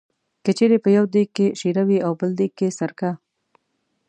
که چېرې په یو دېګ کې شېره وي او بل دېګ کې سرکه.